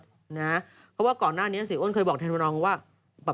เพราะว่าก่อนหน้านี้เสียอ้วนเคยบอกแทนวันนองว่า